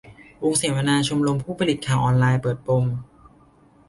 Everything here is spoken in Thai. วงเสวนาชมรมผู้ผลิตข่าวออนไลน์ เปิดปม